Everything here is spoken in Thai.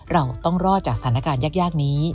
เราต้องรอดจากสถานการณ์ยากนี้